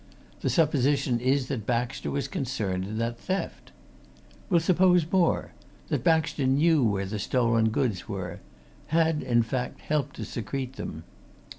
The supposition is that Baxter was concerned in that theft. We'll suppose more that Baxter knew where the stolen goods were; had, in fact, helped to secrete them.